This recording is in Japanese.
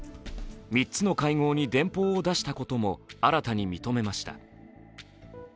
３つの会合に電報を出したことも新たに認めました。